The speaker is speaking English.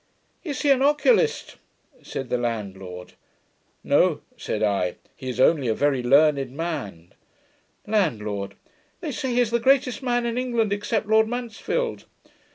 'Is he an oculist?' said the landlord. 'No,' said I, 'he is only a very learned man.' LANDLORD. 'They say he is the greatest man in England, except Lord Mansfield.'